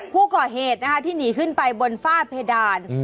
ผู้ก่อเหตุนะคะที่หนีขึ้นไปบนฝ้าเพดาน